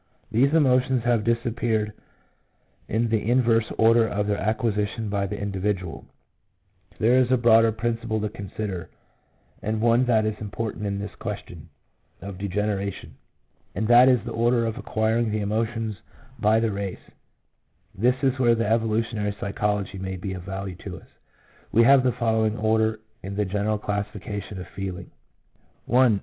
These emotions have disappeared in the inverse order of their acquisition by the individual. There is a broader principle to consider, and one that is important in this question of degeneration, 1 T. Ribot, The Psychology of the Emotions ■, pp. 42$?. EMOTIONS. 1.5 1 and that is the order of acquiring the emotions by the race. This is where the evolutionary psychology may be of value to us. We have the following order in the general classification of feeling: 1 — I.